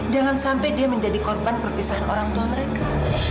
jangan sampai dia menjadi korban perpisahan orang tua mereka